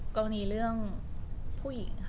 กรณีเรื่องผู้หญิงค่ะ